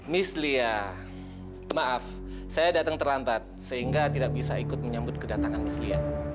miss lia maaf saya datang terlambat sehingga tidak bisa ikut menyambut kedatangan miss lia